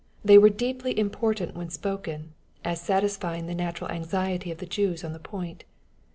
They were deeply important when spoken, as satisfying the natural anxiety of the Jews on the point.